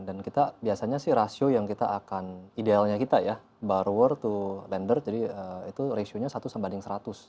dan kita biasanya sih rasio yang kita akan idealnya kita ya borrower to lender jadi itu rasionya satu sebanding seratus